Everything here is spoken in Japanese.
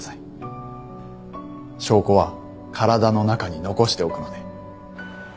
証拠は体の中に残しておくので。